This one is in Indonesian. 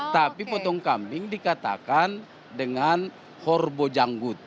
tapi potong kambing dikatakan dengan horbojanggut